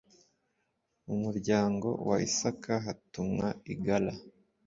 Mu muryango wa Isaka hatumwa Igala